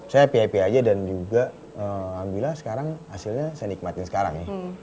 saya pia aja dan juga alhamdulillah sekarang hasilnya saya nikmatin sekarang ya